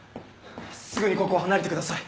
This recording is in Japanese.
すぐにここを離れてください。